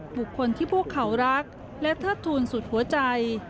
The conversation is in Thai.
บุคคลที่พวกเขารักและเทิดทูลสุดหัวใจ